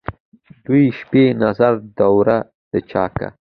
دیوي شیبي نظر دوره دچاکه